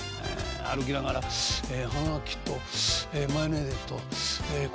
歩きながら「葉書とマヨネーズとええ